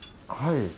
はい。